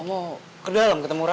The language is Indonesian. mau ke dalam ketemu orang